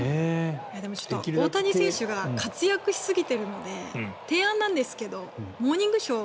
でも、大谷選手が活躍しすぎているので提案なんですが「モーニングショー」